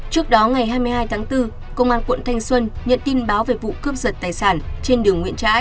trước đó ngày hai mươi hai tháng bốn công an quận thanh xuân nhận tin báo về vụ cướp giật tài sản trên đường nguyễn trãi